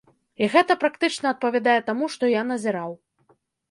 І гэта практычна адпавядае таму, што я назіраў.